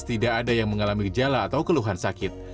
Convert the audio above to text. tidak ada yang mengalami gejala atau keluhan sakit